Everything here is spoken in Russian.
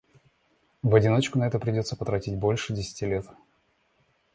В одиночку на это придётся потратить больше десяти лет.